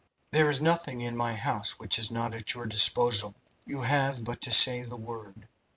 "There is nothing in my house which is not at your disposal. You have but to say the word.